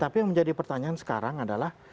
tapi yang menjadi pertanyaan sekarang adalah